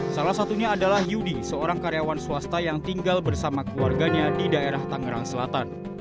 salah satunya adalah yudi seorang karyawan swasta yang tinggal bersama keluarganya di daerah tangerang selatan